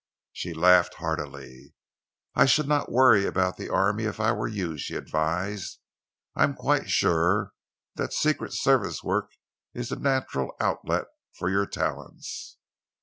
She laughed heartily. "I should not worry about the army if I were you," she advised. "I am quite sure that secret service work is the natural outlet for your talents."